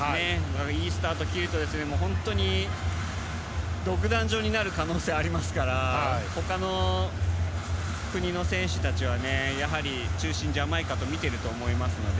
いいスタートを切ると本当に独壇場になる可能性がありますから他の国の選手たちは中心、ジャマイカと見ていると思いますので。